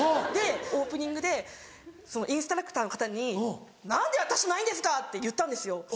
でオープニングでインストラクターの方に「何で私のないんですか！」って言ったんですよ。